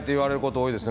多いですね。